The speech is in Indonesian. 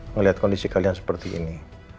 ngelihat kondisi kalian seperti ini